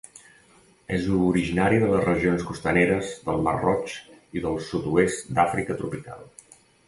És originari de les regions costaneres del Mar Roig i del sud-oest d'Àfrica tropical.